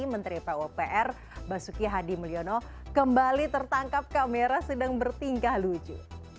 menteri pupr basuki hadi mulyono kembali tertangkap kamera sedang bertingkah lucu